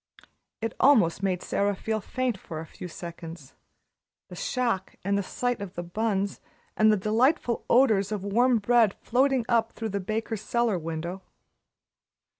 It almost made Sara feel faint for a few seconds the shock and the sight of the buns and the delightful odors of warm bread floating up through the baker's cellar window.